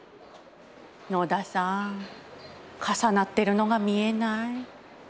野田さん重なってるのが見えない？